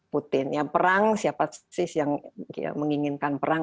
putin ya perang siapa sih yang menginginkan perang